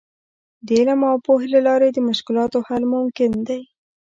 د علم او پوهې له لارې د مشکلاتو حل ممکن دی.